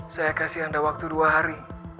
saya kasih anda waktu dua hari